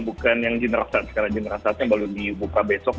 bukan yang generasas karena generasasnya baru dibuka besok